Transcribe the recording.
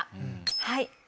はい。